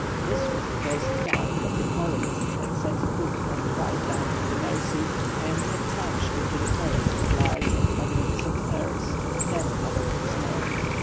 This was the first time that the colonists had set foot on the right bank of the Mercy and had plunged into the forest of large and magnificent firs, then covered with snow.